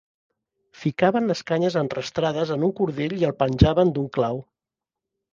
Ficaven les canyes enrastrades en un cordell i el penjaven d’un clau.